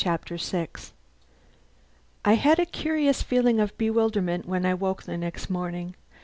CHAPTER SIX I had a curious feeling of bewilderment when I woke the next morning.